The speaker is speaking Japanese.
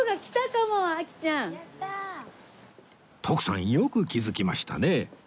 徳さんよく気づきましたね